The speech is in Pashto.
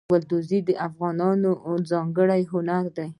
ګلدوزي د افغانانو ځانګړی هنر دی.